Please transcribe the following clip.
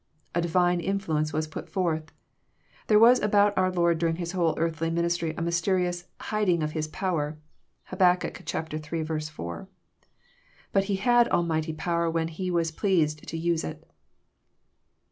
A Divine influence was put forth. There was about our Lord during His whole earthly ministry a mysterious " hiding of His power." (Hab. iii. 4.) But He had almighty power when He was pleased to use it.